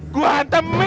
gua hantem men